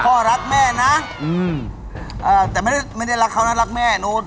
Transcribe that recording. พ่อรักแม่นะแต่ไม่ได้รักเขาน่ะรักแม่นะโอ๊ต